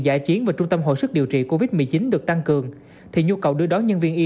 giải chiến và trung tâm hồi sức điều trị covid một mươi chín được tăng cường thì nhu cầu đưa đón nhân viên y